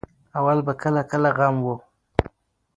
اول به کله کله غم وو.